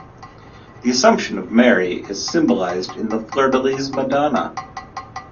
The Assumption of Mary is symbolised in the Fleur-de-lys Madonna.